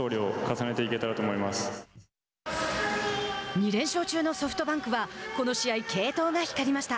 ２連勝中のソフトバンクはこの試合、継投が光りました。